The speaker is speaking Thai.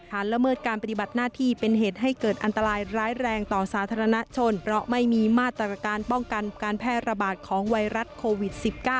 ละเมิดการปฏิบัติหน้าที่เป็นเหตุให้เกิดอันตรายร้ายแรงต่อสาธารณชนเพราะไม่มีมาตรการป้องกันการแพร่ระบาดของไวรัสโควิด๑๙